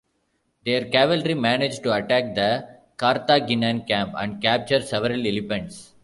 Their cavalry managed to attack the Carthaginian camp and capture several elephants.